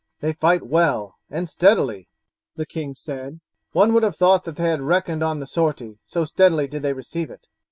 "They fight well and steadily," the king said. "One would have thought that they had reckoned on the sortie, so steadily did they receive it."